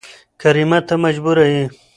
کريمه ته مجبوره يې